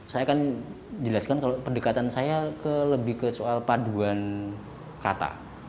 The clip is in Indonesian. saya kan jelaskan kalau pendekatan saya lebih ke soal paduan kata